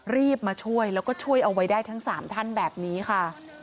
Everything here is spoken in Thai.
รีบมาช่วยแล้วก็ช่วยเอาไว้ได้ทั้ง๓ท่านแบบนี้ค่ะ